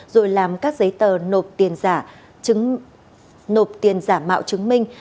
rồi làm các giấy tờ nộp tiền giả mạo chứng minh